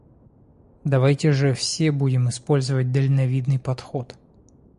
Давайте же все будем использовать дальновидный подход.